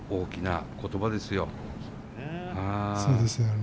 そうですよね。